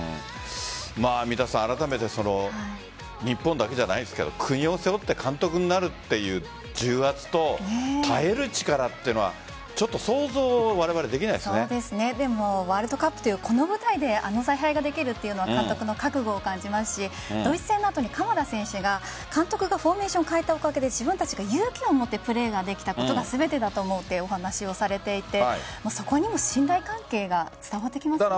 三田さん、あらためて日本だけじゃないですが国を背負って監督になるという重圧と耐える力というのはでもワールドカップという舞台であの采配ができるというのは監督の覚悟を感じますしドイツ戦の後に鎌田選手が監督がフォーメーションを変えたおかげで自分たちが勇気をもってプレーできたことが全てだと思うとお話されていてそこにも信頼関係が伝わってきますよね。